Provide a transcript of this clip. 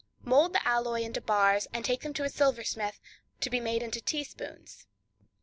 Mould the alloy into bars, and take them to a silversmith to be made into teaspoons.